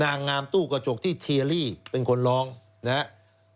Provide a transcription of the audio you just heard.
นางงามตู้กระจกที่เทียรี่เป็นคนร้องนะครับ